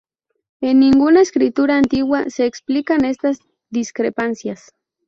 En ninguna escritura antigua se explican estas discrepancias.